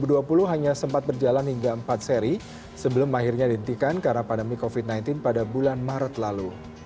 dua ribu dua puluh hanya sempat berjalan hingga empat seri sebelum akhirnya dihentikan karena pandemi covid sembilan belas pada bulan maret lalu